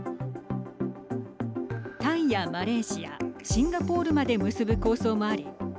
タイやマレーシアシンガポールまで結ぶ構想もあり